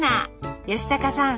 吉高さん